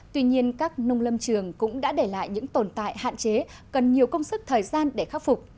tuy nhiên các nông lâm trường cũng đã để lại những tồn tại hạn chế cần nhiều công sức thời gian để khắc phục